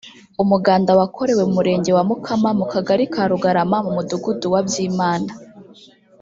umuganda wakorewe mu Murenge wa Mukama mu Kagari ka Rugarama mu Mudugudu wa Byimana